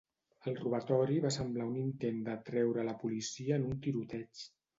El robatori va semblar un intent d'atreure a la policia en un tiroteig.